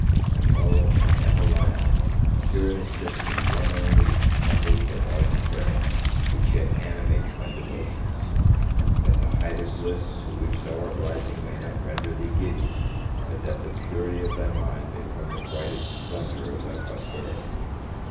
And oh, my Evelina, hear and assist in one only, humble, but ardent prayer, which yet animates my devotions: That the height of bliss to which thou art rising may not render thee giddy, but that the purity of thy mind may form the brightest splendour of thy prosperity!